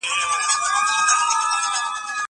زه اجازه لرم چې منډه ووهم!!